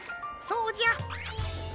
そうじゃ。